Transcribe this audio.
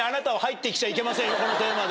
このテーマで。